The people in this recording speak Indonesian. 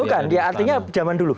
tuh kan ya artinya zaman dulu